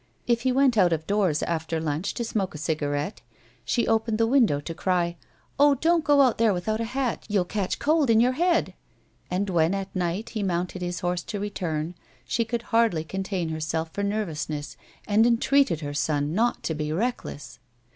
" If he went out of doors, after lunch, to smoke a cigarette, she opened the window to cry : "Oh, don't go out without a hat, you will catch cold in your head ;" and when, at night, he mounted his horse to return, she could hardly contain herself for nervousness, and entreated her son not to be reckless.